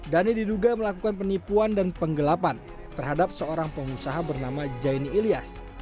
dhani diduga melakukan penipuan dan penggelapan terhadap seorang pengusaha bernama jaini ilyas